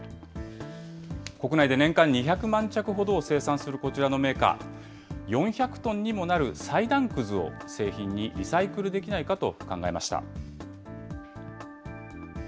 国内で年間２００万着ほどを生産するこちらのメーカー、４００トンにもなる裁断くずを製品にリサイクルできないかと考えました。